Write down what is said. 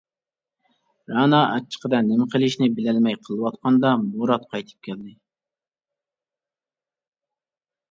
رەنا ئاچچىقىدا نېمە قىلىشىنى بىلەلمەي قېلىۋاتقاندا مۇرات قايتىپ كەلدى.